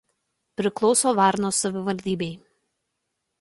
Priklauso Varnos savivaldybei.